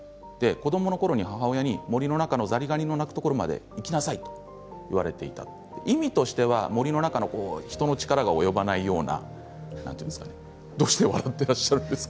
子どものころ、母親に森の中のザリガニが鳴くところまで行きなさいって言われていたと森の中の人の力が及ばないようなどうして笑ってるんですか。